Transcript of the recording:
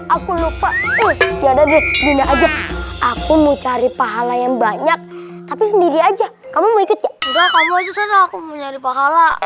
aku lupa aku mau cari pahala yang banyak tapi sendiri aja kamu mau ikut aku mau nyari pahala